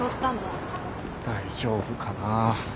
大丈夫かな。